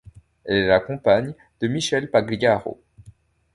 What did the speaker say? Elle est la compagne de Michel Pagliaro.